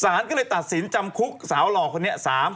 สารก็เลยตัดสินจำคุกสาวหล่อคนนี้